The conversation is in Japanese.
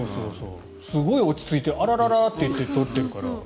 すごい落ち着いてあららららって言って取ってるから。